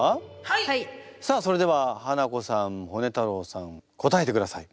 さあそれではハナコさんホネ太郎さん答えてください。